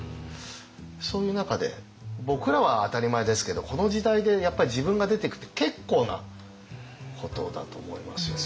そういう中で僕らは当たり前ですけどこの時代でやっぱり自分が出てくって結構なことだと思いますよね。